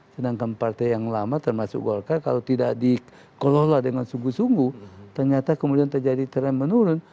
sedangkan partai yang lama termasuk golkar kalau tidak dikelola dengan sungguh sungguh ternyata kemudian terjadi tren menurun